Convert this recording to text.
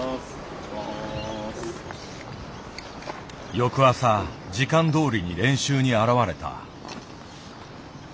翌朝時間どおりに練習に現れた。